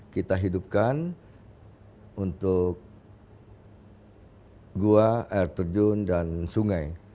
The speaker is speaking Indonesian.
kita hidupkan untuk gua air terjun dan sungai